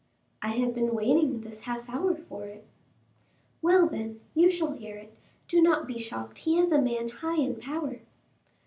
"I have been waiting this half hour for it." "Well, then, you shall hear it. Do not be shocked; he is a man high in power."